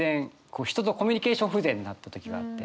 人とコミュニケーション不全になった時があって。